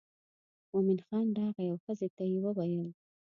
مومن خان راغی او ښځې ته یې وویل.